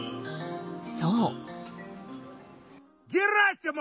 そう。